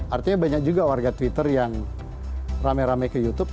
artinya banyak juga warga twitter yang rame rame ke youtube